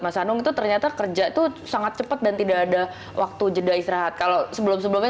mas anung itu ternyata kerja tuh sangat cepat dan tidak ada waktu jeda istirahat kalau sebelum sebelumnya